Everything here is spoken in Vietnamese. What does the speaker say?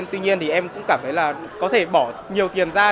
tất cả các đợt thi